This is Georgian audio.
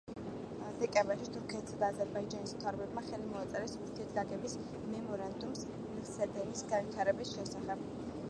დეკემბერში თურქეთისა და აზერბაიჯანის მთავრობებმა ხელი მოაწერეს ურთიერთგაგების მემორანდუმს მილსადენის განვითარების შესახებ.